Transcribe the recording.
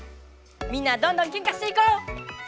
みんなどんどんケンカしていこう！